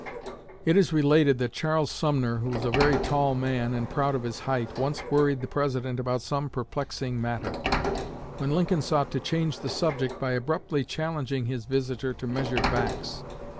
'" It is related that Charles Sumner, who was a very tall man, and proud of his height, once worried the President about some perplexing matter, when Lincoln sought to change the subject by abruptly challenging his visitor to measure backs.